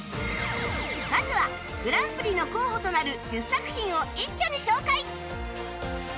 まずはグランプリの候補となる１０作品を一挙に紹介！